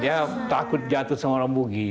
dia takut jatuh sama lambugi